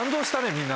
みんな。